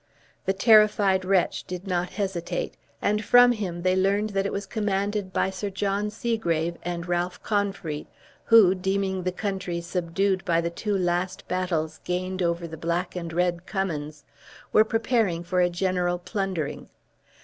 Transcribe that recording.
The terrified wretch did not hesitate; and from him they learned that it was commanded by Sir John Segrave and Ralph Confrey, who, deeming the country subdued by the two last battles gained over the Black and Red Cummins, were preparing for a general plundering.